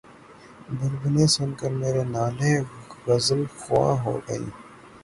بلبلیں سن کر میرے نالے‘ غزلخواں ہو گئیں